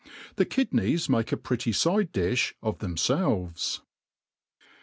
The ktd^ heys make a pretty f}de difh of themfelve^.